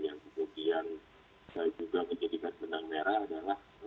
yang kemudian juga menjadikan benang merah adalah